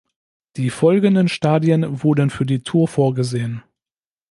Die folgenden Stadien wurden für die Tour vorgesehen.